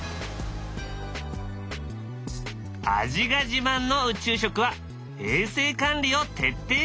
味が自慢の宇宙食は衛生管理を徹底していた。